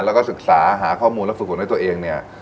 แล้วก็ศึกษาหาข้อมูลและฝึกฝนให้ตัวเองเนี่ย